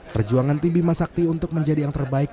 perjuangan tim bima sakti untuk menjadi yang terbaik